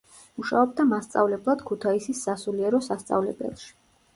მუშაობდა მასწავლებლად ქუთაისის სასულიერო სასწავლებელში.